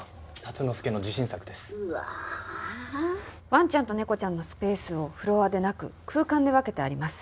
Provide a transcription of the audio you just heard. ワンちゃんと猫ちゃんのスペースをフロアでなく空間で分けてあります。